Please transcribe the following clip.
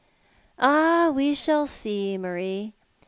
"Ah, we shall see, Marie.